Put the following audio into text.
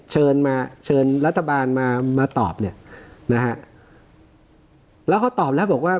เชิญมาเชิญรัฐบาลมามาตอบเนี่ยนะฮะแล้วเขาตอบแล้วบอกว่า